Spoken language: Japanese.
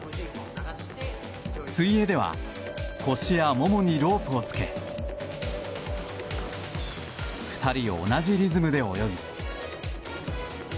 水泳では腰やももにロープを着け２人同じリズムで泳ぎ。